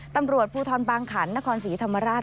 ตำรวจภูทรบางขันนครศรีธรรมราช